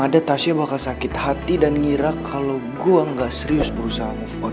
ada tasnya bakal sakit hati dan ngira kalau gua nggak serius berusaha move on